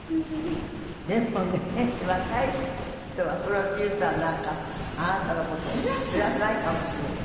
でもね若い人はプロデューサーなんかあなたの事を知らないかもしれない。